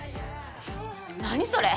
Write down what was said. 何それ？